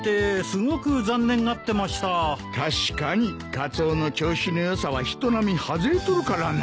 確かにカツオの調子の良さは人並み外れとるからな。